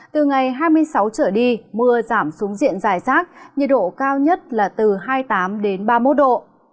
từ ngày hai mươi sáu trở đi mưa giảm xuống diện dài rác nhiệt độ cao nhất là từ hai mươi tám ba mươi một độ